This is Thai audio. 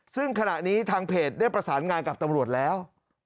ซึ่งขณะนี้ทางเพจได้ประสานงานกับตำรวจแล้ว